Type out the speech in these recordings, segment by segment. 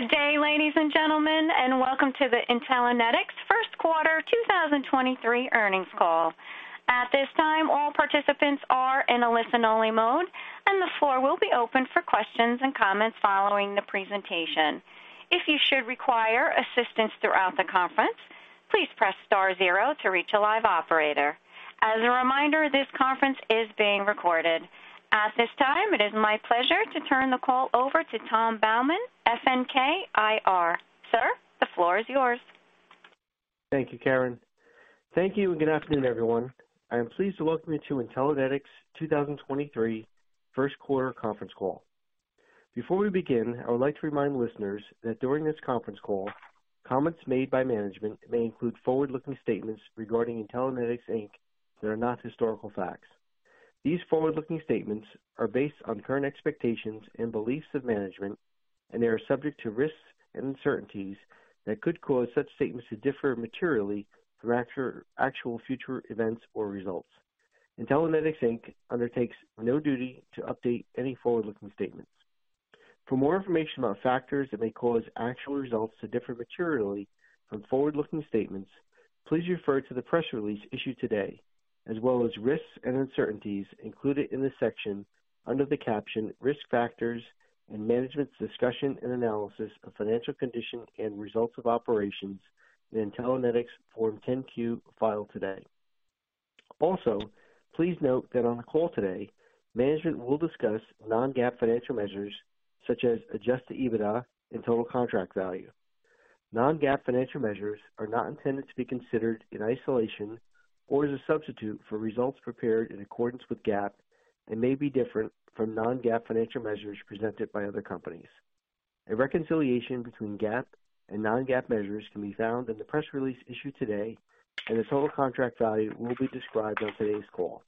Good day, ladies and gentlemen, and welcome to the Intellinetics first quarter 2023 earnings call. At this time, all participants are in a listen-only mode, and the floor will be open for questions and comments following the presentation. If you should require assistance throughout the conference, please press star zero to reach a live operator. As a reminder, this conference is being recorded. At this time, it is my pleasure to turn the call over to Tom Baumann, FNK IR. Sir, the floor is yours. Thank you, Karen. Thank you good afternoon, everyone. I am pleased to welcome you to Intellinetics 2023 first quarter conference call. Before we begin, I would like to remind listeners that during this conference call, comments made by management may include forward-looking statements regarding Intellinetics, Inc. that are not historical facts. These forward-looking statements are based on current expectations and beliefs of management, they are subject to risks and uncertainties that could cause such statements to differ materially from actual future events or results. Intellinetics, Inc. undertakes no duty to update any forward-looking statements. For more information about factors that may cause actual results to differ materially from forward-looking statements, please refer to the press release issued today, as well as risks and uncertainties included in the section under the caption Risk Factors and Management's Discussion and Analysis of Financial Condition and Results of Operations in Intellinetics Form 10-Q filed today. Please note that on the call today, management will discuss non-GAAP financial measures such as Adjusted EBITDA and total contract value. Non-GAAP financial measures are not intended to be considered in isolation or as a substitute for results prepared in accordance with GAAP and may be different from non-GAAP financial measures presented by other companies. A reconciliation between GAAP and non-GAAP measures can be found in the press release issued today, and the total contract value will be described on today's call.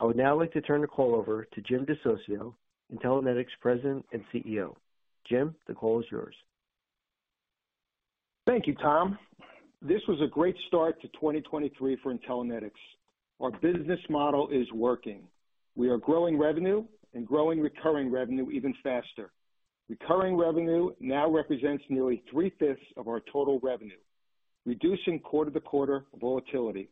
I would now like to turn the call over to Jim DeSocio, Intellinetics President and CEO. Jim, the call is yours. Thank you, Tom. This was a great start to 2023 for Intellinetics. Our business model is working. We are growing revenue and growing recurring revenue even faster. Recurring revenue now represents nearly 3/5 of our total revenue, reducing quarter-to-quarter volatility.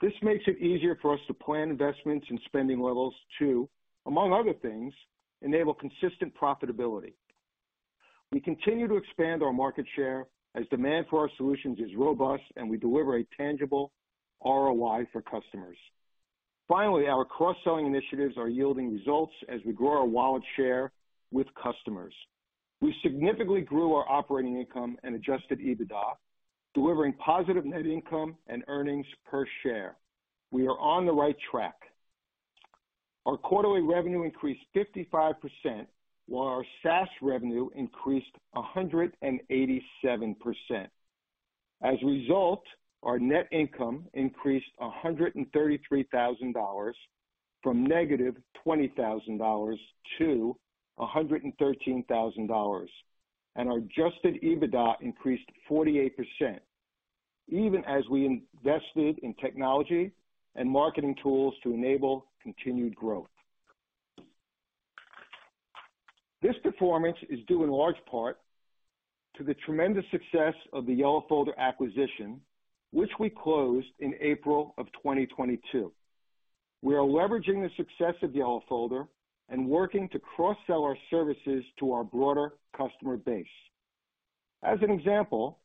This makes it easier for us to plan investments and spending levels to, among other things, enable consistent profitability. We continue to expand our market share as demand for our solutions is robust, and we deliver a tangible ROI for customers. Our cross-selling initiatives are yielding results as we grow our wallet share with customers. We significantly grew our operating income and Adjusted EBITDA, delivering positive net income and earnings per share. We are on the right track. Our quarterly revenue increased 55%, while our SaaS revenue increased 187%. As a result, our net income increased $133,000 from -$20,000 to $113,000. Our Adjusted EBITDA increased 48%, even as we invested in technology and marketing tools to enable continued growth. This performance is due in large part to the tremendous success of the YellowFolder acquisition, which we closed in April of 2022. We are leveraging the success of YellowFolder and working to cross-sell our services to our broader customer base. As an example,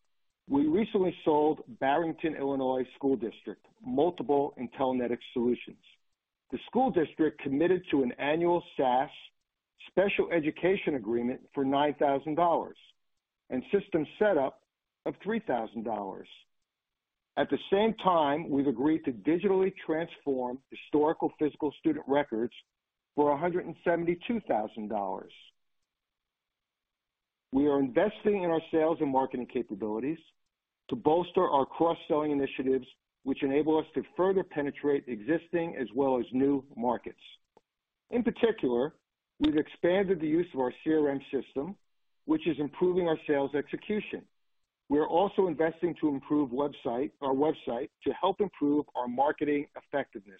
we recently sold Barrington Illinois School District multiple Intellinetics solutions. The school district committed to an annual SaaS special education agreement for $9,000 and system set up of $3,000. At the same time, we've agreed to digitally transform historical physical student records for $172,000. We are investing in our sales and marketing capabilities to bolster our cross-selling initiatives, which enable us to further penetrate existing as well as new markets. In particular, we've expanded the use of our CRM system, which is improving our sales execution. We are also investing to improve our website to help improve our marketing effectiveness.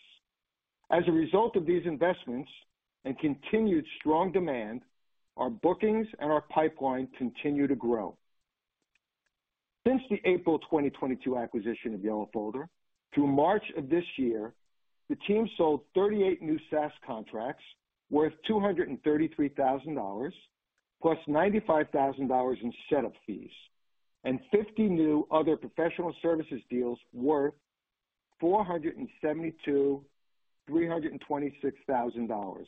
As a result of these investments and continued strong demand, our bookings and our pipeline continue to grow. Since the April 2022 acquisition of YellowFolder through March of this year, the team sold 38 new SaaS contracts worth $233,000, plus $95,000 in setup fees, and 50 new other professional services deals worth $472,326,000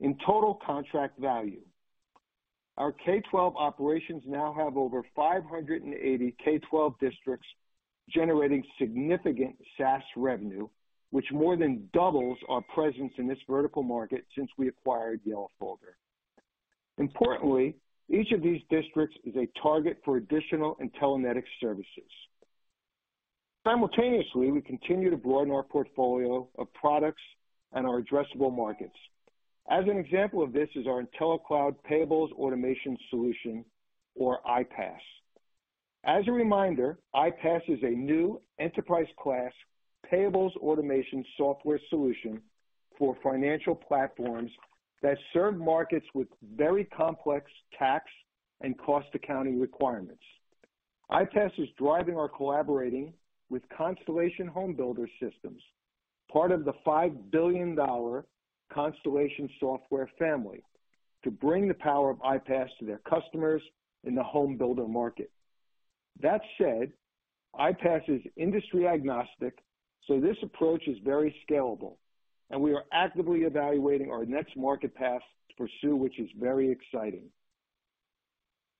in total contract value. Our K-12 operations now have over 580 K-12 districts generating significant SaaS revenue, which more than doubles our presence in this vertical market since we acquired YellowFolder. Importantly, each of these districts is a target for additional Intellinetics services. Simultaneously, we continue to broaden our portfolio of products and our addressable markets. As an example of this is our IntelliCloud Payables Automation Solution or IPAS. As a reminder, IPAS is a new enterprise-class payables automation software solution for financial platforms that serve markets with very complex tax and cost accounting requirements. IPAS is driving or collaborating with Constellation HomeBuilder Systems, part of the $5 billion Constellation Software family, to bring the power of IPAS to their customers in the home builder market. That said, IPAS is industry agnostic, so this approach is very scalable, and we are actively evaluating our next market path to pursue, which is very exciting.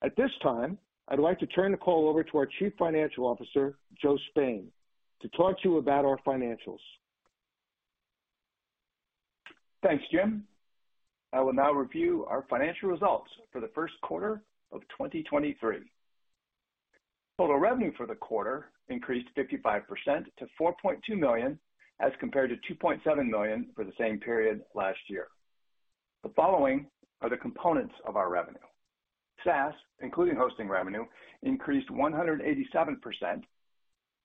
At this time, I'd like to turn the call over to our Chief Financial Officer, Joe Spain, to talk to you about our financials. Thanks, Jim. I will now review our financial results for the first quarter of 2023. Total revenue for the quarter increased 55% to $4.2 million, as compared to $2.7 million for the same period last year. The following are the components of our revenue. SaaS, including hosting revenue, increased 187%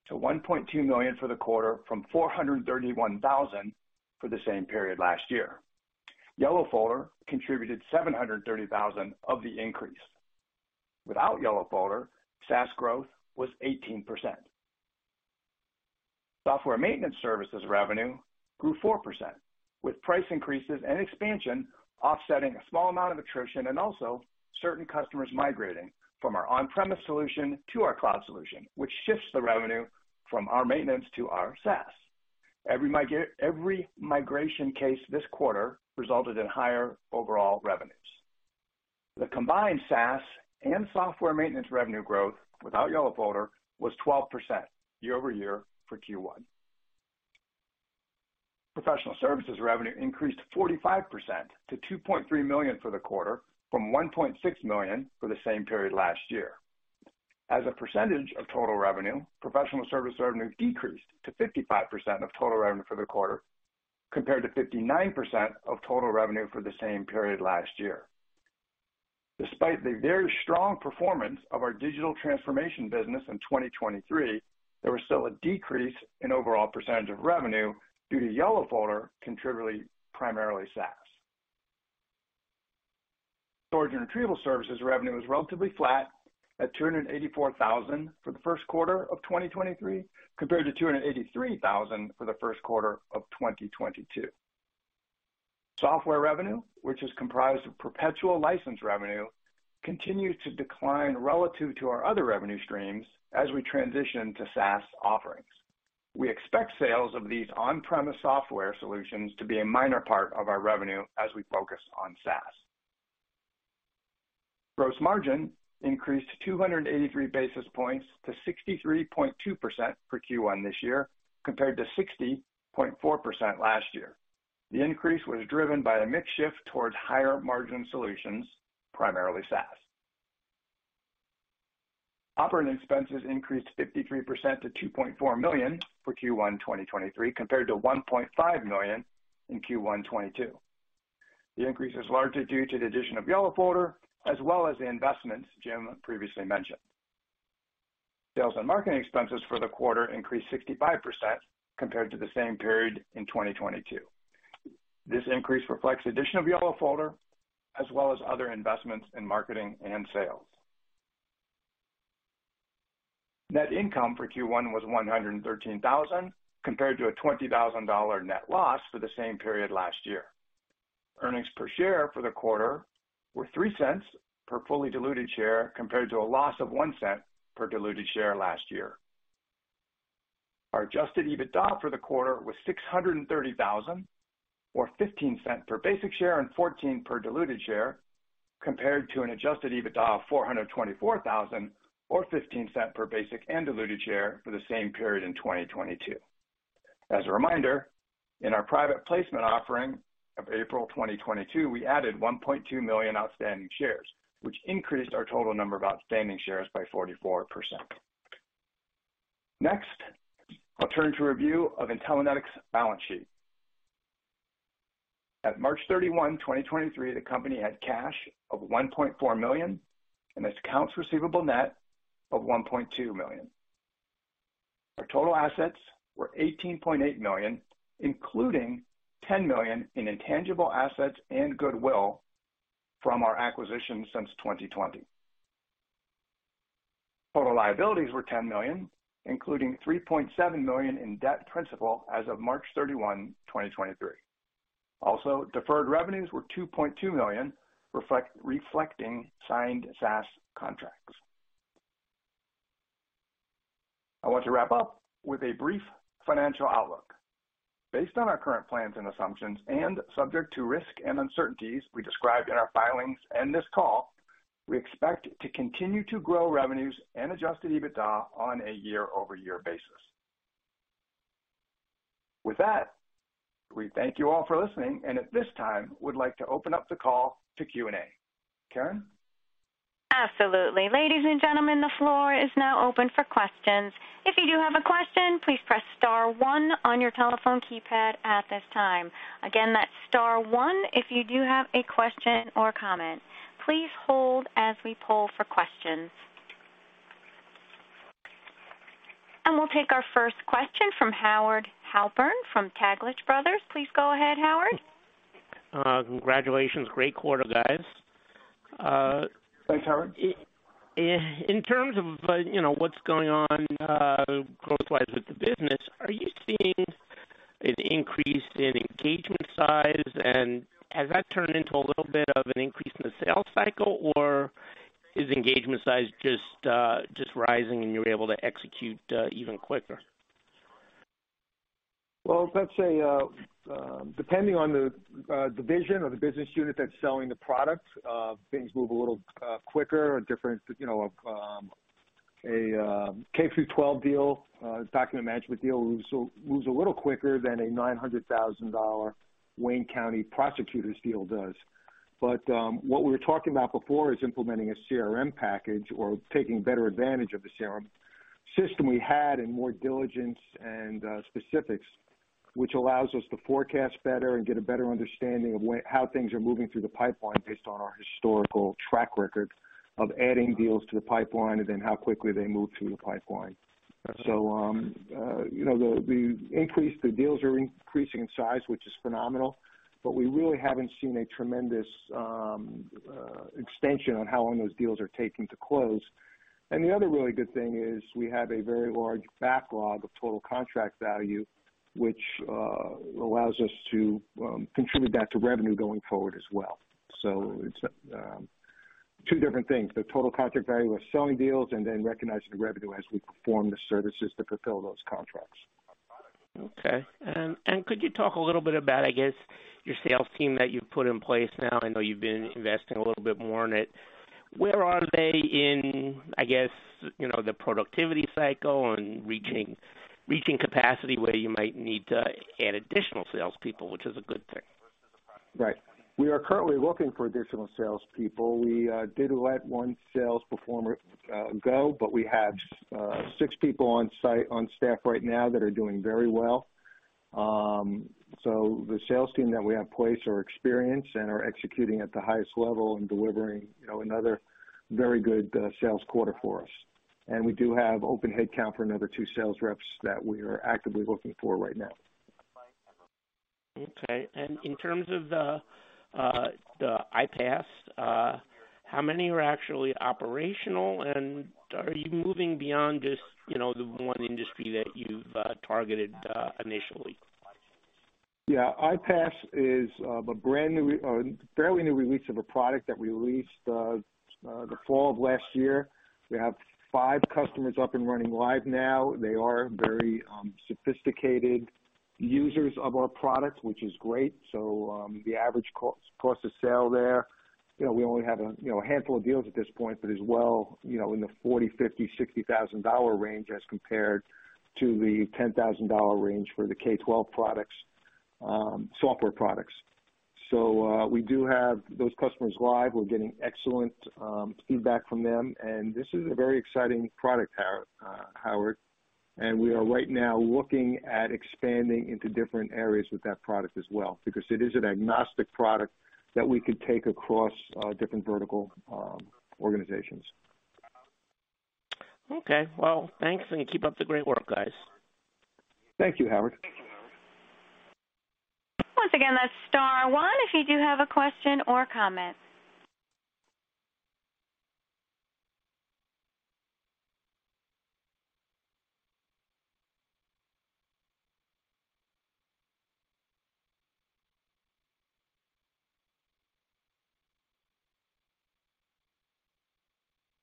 to $1.2 million for the quarter, from $431,000 for the same period last year. YellowFolder contributed $730,000 of the increase. Without YellowFolder, SaaS growth was 18%. Software maintenance services revenue grew 4%, with price increases and expansion offsetting a small amount of attrition and also certain customers migrating from our on-premise solution to our cloud solution, which shifts the revenue from our maintenance to our SaaS. Every migration case this quarter resulted in higher overall revenues. The combined SaaS and software maintenance revenue growth, without YellowFolder, was 12% year-over-year for Q1. Professional services revenue increased 45% to $2.3 million for the quarter, from $1.6 million for the same period last year. As a percentage of total revenue, professional service revenue decreased to 55% of total revenue for the quarter, compared to 59% of total revenue for the same period last year. Despite the very strong performance of our digital transformation business in 2023, there was still a decrease in overall percentage of revenue due to YellowFolder contributing primarily SaaS. Storage and retrieval services revenue was relatively flat at $284,000 for the first quarter of 2023, compared to $283,000 for the first quarter of 2022. Software revenue, which is comprised of perpetual license revenue, continued to decline relative to our other revenue streams as we transition to SaaS offerings. We expect sales of these on-premise software solutions to be a minor part of our revenue as we focus on SaaS. Gross margin increased 283 basis points to 63.2% for Q1 this year, compared to 60.4% last year. The increase was driven by a mix shift towards higher margin solutions, primarily SaaS. Operating expenses increased 53% to $2.4 million for Q1 2023, compared to $1.5 million in Q1 2022. The increase was largely due to the addition of YellowFolder, as well as the investments Jim previously mentioned. Sales and marketing expenses for the quarter increased 65% compared to the same period in 2022. This increase reflects the addition of YellowFolder as well as other investments in marketing and sales. Net income for Q1 was $113,000, compared to a $20,000 net loss for the same period last year. Earnings per share for the quarter were $0.03 per fully diluted share, compared to a loss of $0.01 per diluted share last year. Our Adjusted EBITDA for the quarter was $630,000, or $0.15 per basic share and $0.14 per diluted share, compared to an Adjusted EBITDA of $424,000 or $0.15 per basic and diluted share for the same period in 2022. As a reminder, in our private placement offering of April 2022, we added 1.2 million outstanding shares, which increased our total number of outstanding shares by 44%. Next, I'll turn to a review of Intellinetics' balance sheet. At March 31, 2023, the company had cash of $1.4 million and its accounts receivable net of $1.2 million. Our total assets were $18.8 million, including $10 million in intangible assets and goodwill from our acquisitions since 2020. Total liabilities were $10 million, including $3.7 million in debt principal as of March 31, 2023. Also, deferred revenues were $2.2 million, reflecting signed SaaS contracts. I want to wrap up with a brief financial outlook. Based on our current plans and assumptions and subject to risk and uncertainties we described in our filings and this call, we expect to continue to grow revenues and Adjusted EBITDA on a year-over-year basis. With that, we thank you all for listening, and at this time, we'd like to open up the call to Q&A. Karen? Absolutely. Ladies and gentlemen, the floor is now open for questions. If you do have a question, please press star one on your telephone keypad at this time. Again, that's star one if you do have a question or comment. Please hold as we poll for questions. We'll take our first question from Howard Halpern from Taglich Brothers. Please go ahead, Howard. Congratulations. Great quarter, guys. Thanks, Howard. In terms of, you know, what's going on, growth-wise with the business, are you seeing an increase in engagement size? Has that turned into a little bit of an increase in the sales cycle? Is engagement size just rising and you're able to execute even quicker? Well, let's say, depending on the division or the business unit that's selling the product, things move a little quicker or different. You know, a K-12 deal, document management deal moves a little quicker than a $900,000 Wayne County prosecutor's deal does. What we were talking about before is implementing a CRM package or taking better advantage of the CRM system we had and more diligence and specifics, which allows us to forecast better and get a better understanding of how things are moving through the pipeline based on our historical track record of adding deals to the pipeline and then how quickly they move through the pipeline. You know, the deals are increasing in size, which is phenomenal, but we really haven't seen a tremendous extension on how long those deals are taking to close. The other really good thing is we have a very large backlog of total contract value, which allows us to contribute that to revenue going forward as well. It's two different things, the total contract value we're selling deals and then recognizing the revenue as we perform the services to fulfill those contracts. Okay. Could you talk a little bit about, I guess, your sales team that you've put in place now? I know you've been investing a little bit more in it. Where are they in, I guess, you know, the productivity cycle and reaching capacity where you might need to add additional salespeople, which is a good thing? Right. We are currently looking for additional salespeople. We did let one sales performer go. We have six people on site on staff right now that are doing very well. The sales team that we have in place are experienced and are executing at the highest level and delivering, you know, another very good sales quarter for us. We do have open headcount for another two sales reps that we are actively looking for right now. Okay. In terms of the IPAS, how many are actually operational, and are you moving beyond just, you know, the one industry that you've targeted initially? IPAS is a fairly new release of a product that we released the fall of last year. We have five customers up and running live now. They are very sophisticated users of our product, which is great. The average cost to sell there, you know, we only have a, you know, a handful of deals at this point, but is well, you know, in the $40,000-$60,000 range as compared to the $10,000 range for the K-12 products, software products. We do have those customers live. We're getting excellent feedback from them. This is a very exciting product, Howard. We are right now looking at expanding into different areas with that product as well, because it is an agnostic product that we could take across different vertical organizations. Okay. Well, thanks, and keep up the great work, guys. Thank you, Howard. Once again, that's star one if you do have a question or comment.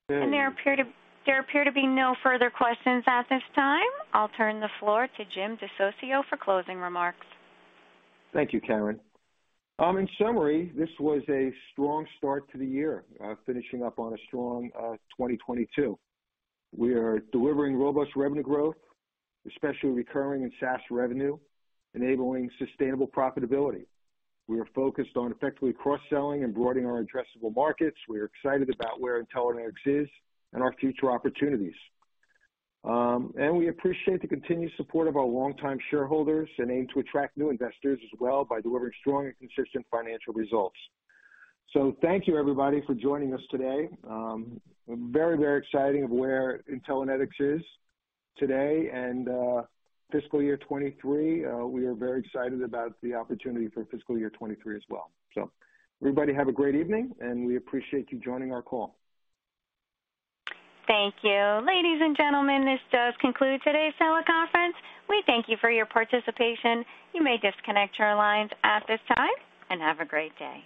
There appear to be no further questions at this time. I'll turn the floor to Jim DeSocio for closing remarks. Thank you, Cameron. In summary, this was a strong start to the year, finishing up on a strong 2022. We are delivering robust revenue growth, especially recurring and SaaS revenue, enabling sustainable profitability. We are focused on effectively cross-selling and broadening our addressable markets. We are excited about where Intellinetics is and our future opportunities. We appreciate the continued support of our longtime shareholders and aim to attract new investors as well by delivering strong and consistent financial results. Thank you everybody for joining us today. Very, very exciting of where Intellinetics is today and fiscal year 2023, we are very excited about the opportunity for fiscal year 2023 as well. Everybody have a great evening, and we appreciate you joining our call. Thank you. Ladies and gentlemen, this does conclude today's teleconference. We thank you for your participation. You may disconnect your lines at this time, and have a great day.